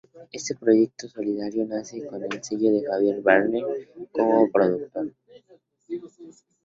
Este proyecto solidario nace con el sello de Javier Bardem como productor.